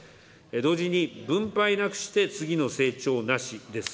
同時に分配なくして次の成長なしです。